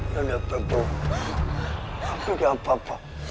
tidak ada apa apa